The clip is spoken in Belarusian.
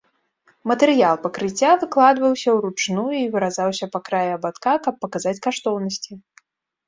Матэрыял пакрыцця выкладваўся ўручную і выразаўся па краі абадка, каб паказаць каштоўнасці.